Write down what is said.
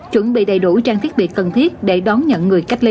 chuẩn bị đầy đủ trang thiết bị cần thiết để đón nhận người cách ly